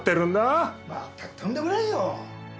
まったくとんでもないよ！